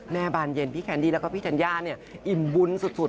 บานเย็นพี่แคนดี้แล้วก็พี่ธัญญาเนี่ยอิ่มบุญสุด